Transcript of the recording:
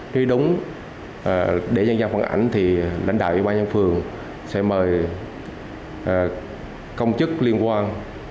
nếu đúng để nhân giao phản ảnh thì lãnh đạo yên bài nhân phường sẽ mời công chức liên quan